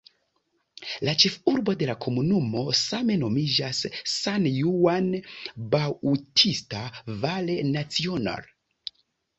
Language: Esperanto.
La ĉefurbo de la komunumo same nomiĝas "San Juan Bautista Valle Nacional".